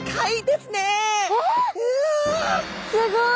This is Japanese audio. すごい！